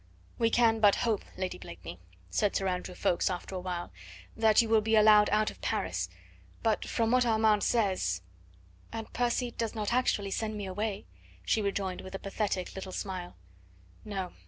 "We can but hope, Lady Blakeney," said Sir Andrew Ffoulkes after a while, "that you will be allowed out of Paris; but from what Armand says " "And Percy does not actually send me away," she rejoined with a pathetic little smile. "No.